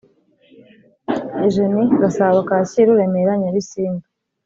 Eugenie gasabo kacyiru remera nyabisindu